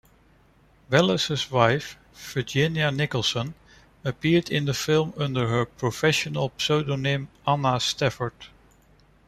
Welles's wife, Virginia Nicolson, appeared in the film under her professional pseudonym Anna Stafford.